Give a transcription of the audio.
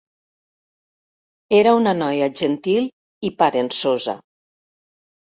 Era una noia gentil i parençosa.